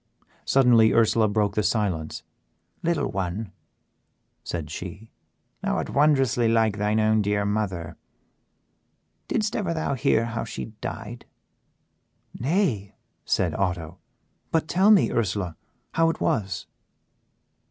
Suddenly Ursela broke the silence. "Little one," said she, "thou art wondrously like thy own dear mother; didst ever hear how she died?" "Nay," said Otto, "but tell me, Ursela, how it was."